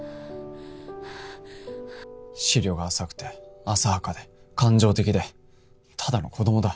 思慮が浅くて浅はかで感情的でただの子供だ